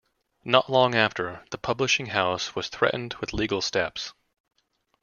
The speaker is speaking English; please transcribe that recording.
Not long after, the publishing house was threatened with legal steps.